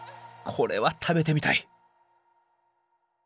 これは食べてみたい。